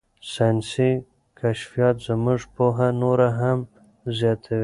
ساینسي کشفیات زموږ پوهه نوره هم زیاتوي.